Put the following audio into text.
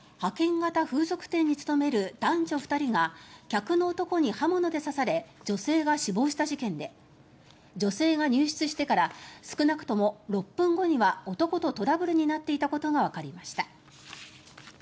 型風俗店に勤める男女２人が客の男に刃物で刺され女性が死亡した事件で女性が入室してから少なくとも６分後には男とトラブルになっていたことがわかりました。